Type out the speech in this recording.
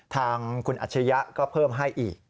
ทางคุณอาชญะก็เพิ่มให้อีก